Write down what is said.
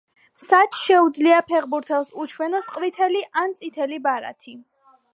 მსაჯს შეუძლია ფეხბურთელს უჩვენოს ყვითელი ან წითელი ბარათი.